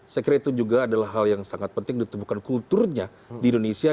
saya kira itu juga adalah hal yang sangat penting untuk ditemukan kulturnya di indonesia